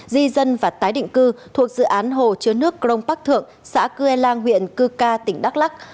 di dân và tái định cư thuộc dự án hồ chứa nước crong park thượng xã cư lang huyện cư ca tỉnh đắk lắc